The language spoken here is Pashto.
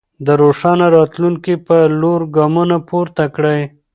د روښانه راتلونکي په لور ګامونه پورته کړئ.